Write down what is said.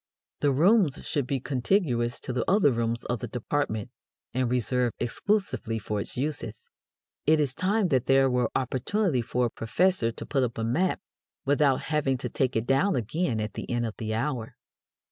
The rooms should be contiguous to the other rooms of the department and reserved exclusively for its uses. It is time that there were opportunity for a professor to put up a map without having to take it down again at the end of the hour.